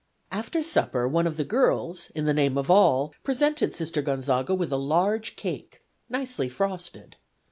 After supper one of the girls, in the name of all, presented Sister Gonzaga with a large cake, nicely frosted.